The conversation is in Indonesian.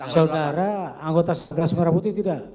saudara anggota satgas merah putih tidak